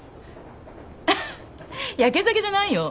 アハハやけ酒じゃないよ